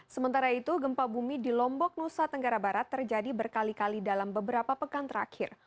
sementara itu gempa bumi di lombok nusa tenggara barat terjadi berkali kali dalam beberapa pekan terakhir